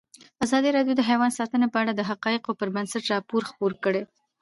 ازادي راډیو د حیوان ساتنه په اړه د حقایقو پر بنسټ راپور خپور کړی.